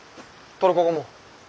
トルコ語？